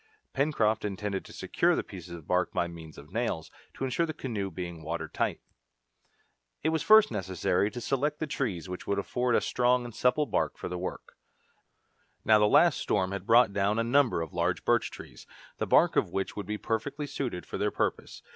Pencroft intended to secure the pieces of bark by means of nails, to insure the canoe being water tight. It was first necessary to select the trees which would afford a strong and supple bark for the work. Now the last storm had brought down a number of large birch trees, the bark of which would be perfectly suited for their purpose.